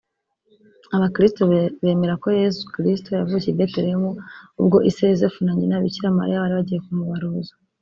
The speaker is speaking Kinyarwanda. Abakirisitu bemera ko Yezu Krisitu yavukiye I Betelehemu ubwo ise Yozefu na Nyina Bikira Mariya bari bagiye kumubaruza